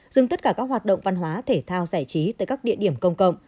dừng tất cả các hoạt động văn hóa thể thao giải trí tại các địa điểm công cộng